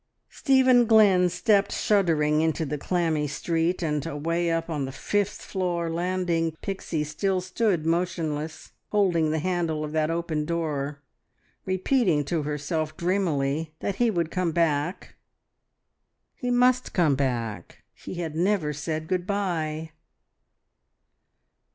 Stephen Glynn stepped shuddering into the clammy street, and away up on the fifth floor landing Pixie still stood motionless, holding the handle of that open door, repeating to herself dreamily that he would come back, he must come back! He had never said good bye!